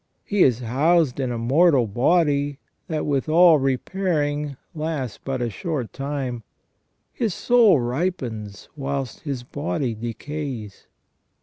He is housed in a mortal body that with all repairing lasts but a short time. His soul ripens whilst his body decays.